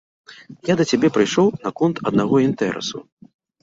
Я да цябе прыйшоў наконт аднаго інтэрасу.